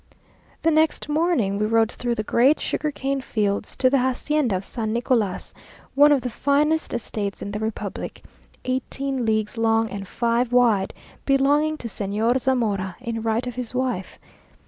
The next morning we rode through the great sugarcane fields to the hacienda of San Nicolas, one of the finest estates in the republic, eighteen leagues long and five wide, belonging to Señor Zamora, in right of his wife.